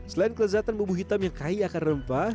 selain kelezatan bumbu hitam yang kaya akan rempah